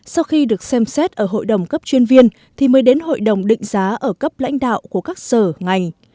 sau khi được xem xét ở hội đồng cấp chuyên viên thì mới đến hội đồng định giá ở cấp lãnh đạo của các sở ngành